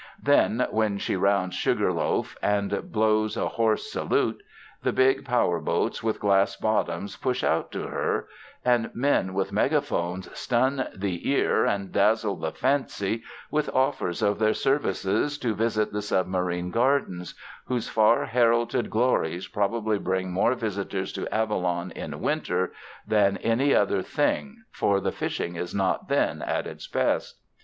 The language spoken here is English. Then when she rounds Sugar Loaf and blows a hoarse salute, the big power boats with glass bottoms push out to her, and men with megaphones stun the ear and dazzle the fancy with offers of their services to visit the submarine gardens, whose far heralded glories probably bring more visitors to Avalon in winter than any other one thing, for the fishing is not then at its best.